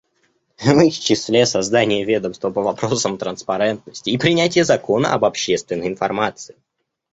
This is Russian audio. В их числе создание ведомства по вопросам транспарентности и принятие закона об общественной информации.